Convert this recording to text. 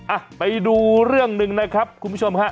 อ่ะไปดูเรื่องหนึ่งนะครับคุณผู้ชมฮะ